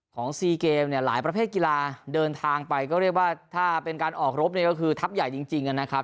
ซีเกมเนี่ยหลายประเภทกีฬาเดินทางไปก็เรียกว่าถ้าเป็นการออกรบเนี่ยก็คือทัพใหญ่จริงนะครับ